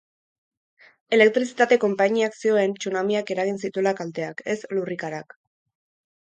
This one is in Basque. Elektrizitate konpainiak zioen tsunamiak eragin zituela kalteak, ez lurrikarak.